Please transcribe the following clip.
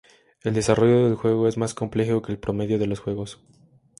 El desarrollo del juego es más complejo que el promedio de los juegos.